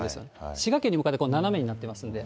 滋賀県に向かって斜めになってますんで、